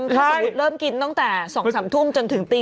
เพราะว่าเริ่มกินตั้งแต่๒๓ทุ่มจนถึงตี